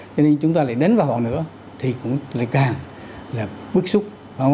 cho nên chúng ta lại đến vào họ nữa thì cũng lại càng là bức xúc